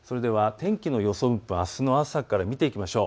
天気の予想、あすの朝から見ていきましょう。